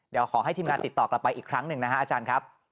เดี๋ยวขอให้ทีมงานติดต่อกลับไปอีกครั้งหนึ่งนะฮะอาจารย์ครับ